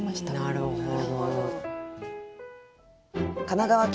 なるほど。